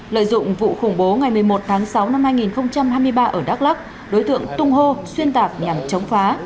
lợi dụng vụ khủng bố ngày một mươi một tháng sáu năm hai nghìn hai mươi ba ở đắk lắc đối tượng tung hô xuyên tạc nhằm chống phá